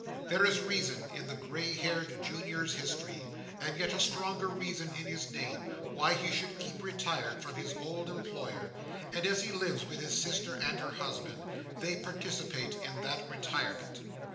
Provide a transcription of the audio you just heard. There is a reason in the greyhaired Junior's history, and yet a stronger reason in his name, why he should keep retired from his old employer; and as he lives with his sister and her husband, they participate in that retirement.